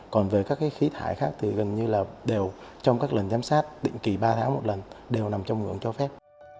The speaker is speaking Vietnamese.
còn về các khí thải khác thì gần như là đều trong các lần giám sát định kỳ ba tháng một lần đều nằm trong ngưỡng cho phép